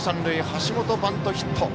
橋本、バントヒット。